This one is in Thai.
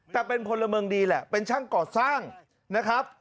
แต่เป็นพลเมืองดีแหละเป็นช่างก่อสร้างนะครับ